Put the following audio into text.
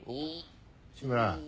志村。